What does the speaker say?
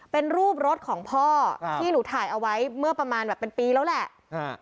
เป็นรูปรถของพ่อที่หนูถ่ายเอาไว้เมื่อประมาณแบบเป็นปีแล้วแหละ